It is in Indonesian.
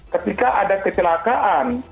ketika ada kecelakaan